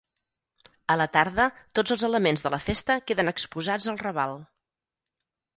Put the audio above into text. A la tarda, tots els elements de la festa queden exposats al Raval.